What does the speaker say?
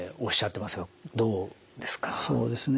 そうですね。